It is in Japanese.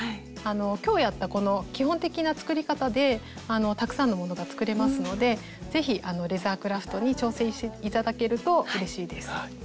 今日やったこの基本的な作り方でたくさんのものが作れますので是非レザークラフトに挑戦して頂けるとうれしいです。